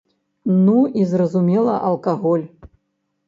Ну і, зразумела, алкаголь.